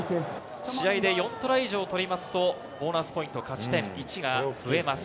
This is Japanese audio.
試合で４トライ以上取りますと、ボーナスポイント、勝ち点１が増えます。